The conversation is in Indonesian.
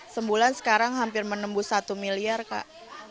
sebulan sekarang hampir menembus satu miliar kak